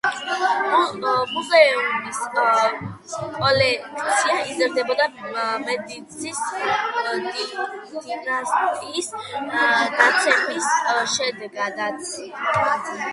მუზეუმის კოლექცია იზრდებოდა მედიჩის დინასტიის დაცემის შემდეგაც.